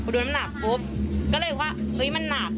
ดูน้ำหนักปุ๊บก็เลยว่ามันหนัก